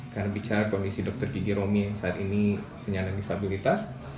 karena bicara komisi dr gigi romi yang saat ini penyandang disabilitas